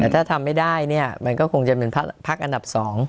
ถ้าทำไม่ได้มันก็คงจะเป็นภักด์อันดับสอง